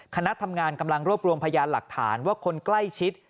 คณะทำงานกำลังรวบรวมพยานหลักฐานว่าคนใกล้ชิด